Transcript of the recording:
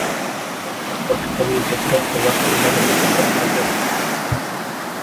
মধ্যভাগে যেমন দাপট, তেমনি প্রতিপক্ষের রক্ষণভাগে ফাটল ধরাতেও তিনি বেশ পটু।